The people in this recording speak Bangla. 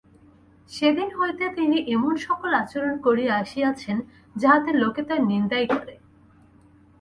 সেদিন হইতে তিনি এমন-সকল আচরণ করিয়া আসিয়াছেন যাহাতে লোকে তাঁহার নিন্দাই করে।